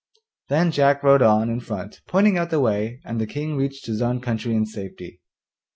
Then Jack rode on in front pointing out the way, and the King reached his own country in safety.